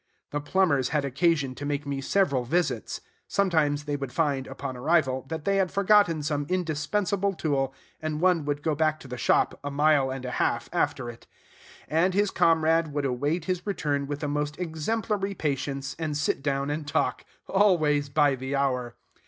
The plumbers had occasion to make me several visits. Sometimes they would find, upon arrival, that they had forgotten some indispensable tool; and one would go back to the shop, a mile and a half, after it; and his comrade would await his return with the most exemplary patience, and sit down and talk, always by the hour.